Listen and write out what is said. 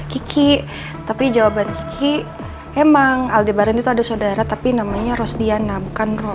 kiki tapi jawaban kiki emang aldebaran itu ada saudara tapi namanya rosdiana bukan roy